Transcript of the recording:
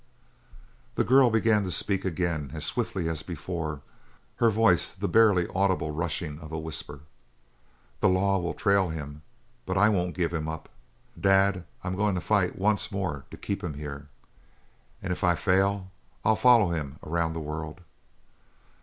The girl began to speak again, as swiftly as before, her voice the barely audible rushing of a whisper: "The law will trail him, but I won't give him up. Dad, I'm going to fight once more to keep him here and if I fail, I'll follow him around the world."